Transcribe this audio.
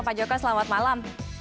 pak joko selamat malam